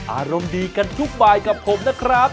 อารมณ์ดีกันทุกบายกับผมนะครับ